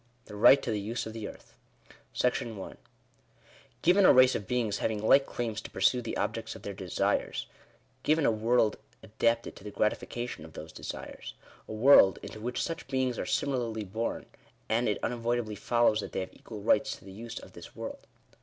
THE RIGHT TO THE U8E OF THE EARTH. § I Given a race of beings having like claims to pursue the objects of their desires — given a world adapted to the gratifi cation of those desires — a world into which such beings are similarly born, and it unavoidably follows that they have equal rights to the use of this world.